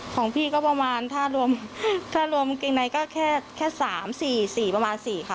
ของพี่ก็ประมาณถ้ารวมถ้ารวมกางเกงในก็แค่แค่สามสี่สี่ประมาณสี่ค่ะ